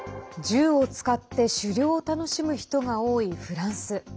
銃を使って狩猟を楽しむ人が多いフランス。